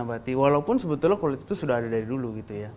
nggak perlu terdapat strangled